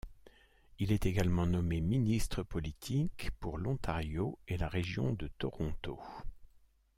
Il est également nommé ministre politique pour l'Ontario et la région de Toronto.